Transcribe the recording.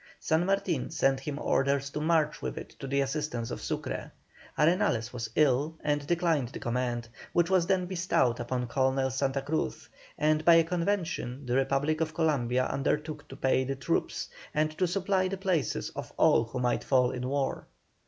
San Martin sent him orders to march with it to the assistance of Sucre. Arenales was ill, and declined the command, which was then bestowed upon Colonel Santa Cruz, and by a convention the Republic of Columbia undertook to pay the troops, and to supply the places of all who might fall in war.